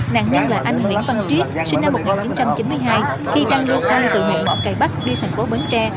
nạn nhân là anh nguyễn văn triết sinh năm một nghìn chín trăm chín mươi hai khi đang lưu thông từ huyện mỏ cải bắc đi thành phố bến tre